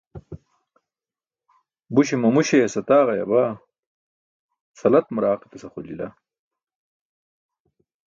Buśe mamu śeyas ayaaġayabaa, salat maraaq etas axolijl.